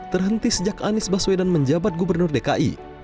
terhenti sejak anies baswedan menjabat gubernur dki